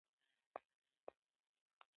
و هغه یې روغ رمټ له خولې وغورځاوه.